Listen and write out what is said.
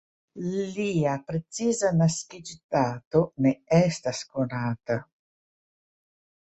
Lia preciza naskiĝdato ne estas konata.